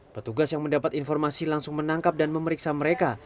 petugas yang mendapat informasi langsung menangkap dan memeriksa mereka